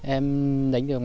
em đánh được